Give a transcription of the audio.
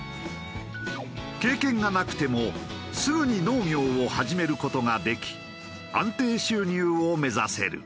経験がなくてもすぐに農業を始める事ができ安定収入を目指せる。